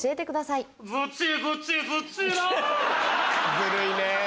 ずるいね。